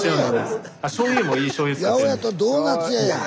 八百屋とドーナツ屋や！